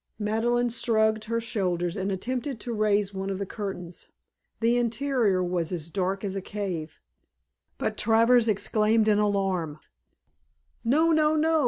Madeleine shrugged her shoulders and attempted to raise one of the curtains. The interior was as dark as a cave. But Travers exclaimed in alarm. "No! No!